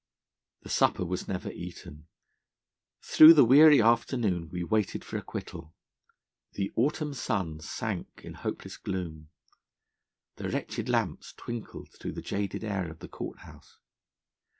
The supper was never eaten. Through the weary afternoon we waited for acquittal. The autumn sun sank in hopeless gloom. The wretched lamps twinkled through the jaded air of the court house.